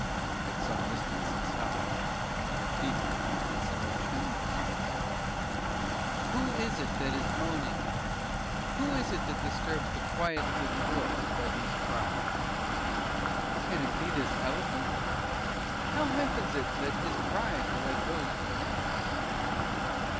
At some distance it stopped, and a feeble, and somewhat tremulous voice called: "Who is it that is moaning? Who is it that disturbs the quiet of the forest by these cries? Can it be this elephant? How happens it that his cries are like those of a man?"